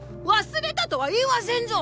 忘れたとは言わせんぞ！